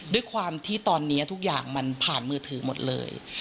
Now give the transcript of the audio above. ด้วยความที่ตอนนี้ทุกอย่างมันผ่านมือถือหมดเลย